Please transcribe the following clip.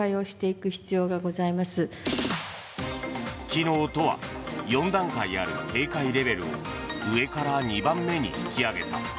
昨日、都は４段階ある警戒レベルを上から２番目に引き上げた。